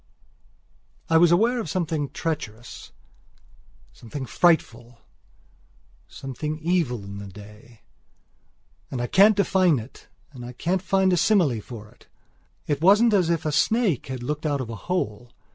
I was aware of something treacherous, something frightful, something evil in the day. I can't define it and can't find a simile for it. It wasn't as if a snake had looked out of a hole.